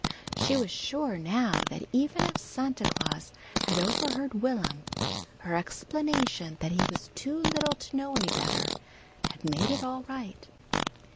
She was sure now that even if Santa Claus had overheard Will'm, her explanation that he was too little to know any better had made it all right.